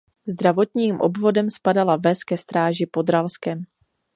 Zdravotním obvodem spadala ves ke Stráži pod Ralskem.